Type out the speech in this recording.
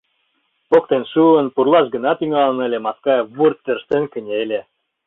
Поктен шуын, пурлаш гына тӱҥалын ыле — Маскаев вурт тӧрштен кынеле.